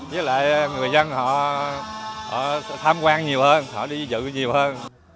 với lại người dân họ tham quan nhiều hơn họ đi dự nhiều hơn